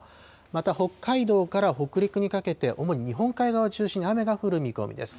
また北海道から北陸にかけて、主に日本海側を中心に、雨が降る見込みです。